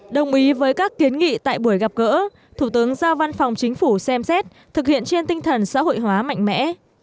đồng ý với các kiến nghị tại buổi gặp gỡ thủ tướng giao văn phòng chính phủ xem xét thực hiện trên tinh thần xã hội hóa mạnh mẽ